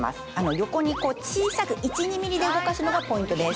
横に小さく１２ｍｍで動かすのがポイントです。